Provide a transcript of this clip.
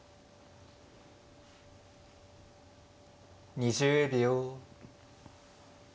２０秒。